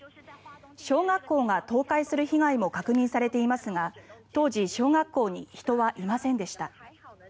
小学校が倒壊する被害も確認されていますが当時、小学校に人はいませんでした。